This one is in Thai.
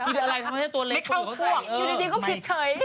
ปิดอะไรทำไมให้ตัวเล็กเกินเขาใส่ไม่เข้าควกอยู่ดีก็ผิดเฉย